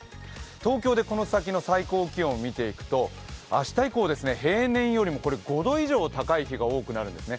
東京でこの先の最高気温見ていくと明日以降、平年よりも５度以上高い日が多くなるんですね。